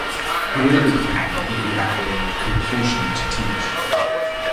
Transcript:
He later claimed that he had a "compulsion to teach".